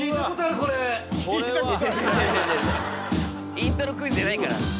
イントロクイズじゃないから。